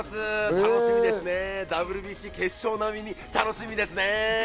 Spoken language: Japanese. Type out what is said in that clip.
楽しみですね、ＷＢＣ決勝並みに楽しみですね！